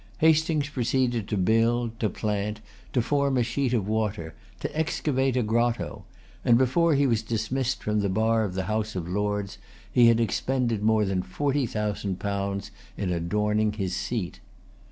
Hastings proceeded to build, to plant, to form a sheet of water, to excavate a grotto; and, before he was dismissed from the bar of the House of Lords, he had expended more than forty thousand pounds in adorning his seat.